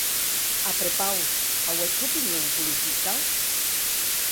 A prepaus, auètz opinon politica?